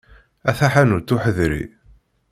A taḥanut uḥeḍri.